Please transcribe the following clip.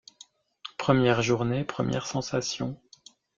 Première journée, première sensation.